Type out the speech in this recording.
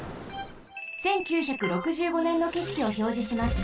１９６５ねんのけしきをひょうじします。